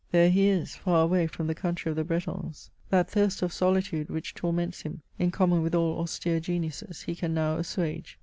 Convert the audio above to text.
There he is, far away from the country of the Bretons. That thirst of solitude, which torments him> in common with all austere geniuses, he can now assuage.